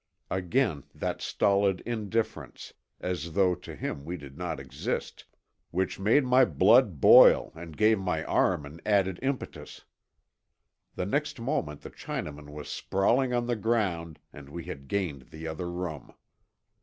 Again that stolid indifference, as though to him we did not exist, which made my blood boil and gave my arm an added impetus. The next moment the Chinaman was sprawling on the ground and we had gained the other room.